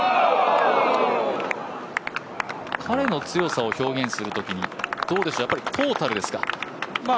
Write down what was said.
彼の強さを表現するときに、どうでしょうトータルですか。